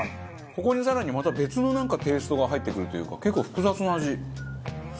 ここに、更に、また別のなんかテイストが入ってくるというか結構、複雑な味。